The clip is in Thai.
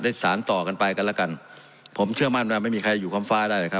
เพราะมันก็มีเท่านี้นะเพราะมันก็มีเท่านี้นะ